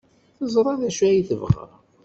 Teẓra d acu ay tebɣa.